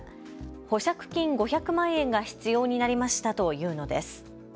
保釈金５００万円が必要になりましたと言うのです。